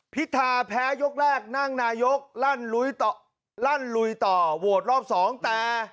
พิธาแพ้ยกแรกนั่งนายกลั่นลุยต่อลั่นลุยต่อโหวตรอบสองแต่